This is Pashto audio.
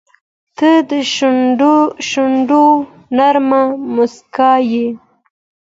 • ته د شونډو نرمه موسکا یې.